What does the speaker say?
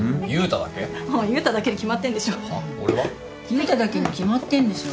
悠太だけに決まってんでしょ。